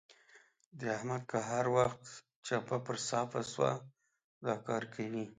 د احمد که هر وخت چمبه پر صافه سوه؛ دا کار کوي.